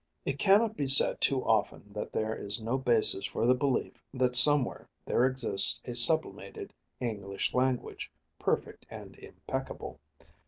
It cannot be said too often that there is no basis for the belief that somewhere there exists a sublimated English language, perfect and impeccable.